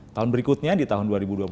tahun berikutnya di tahun dua ribu dua puluh